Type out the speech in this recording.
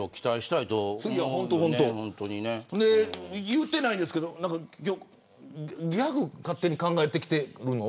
言うてないですけどギャグ勝手に考えてきてるの。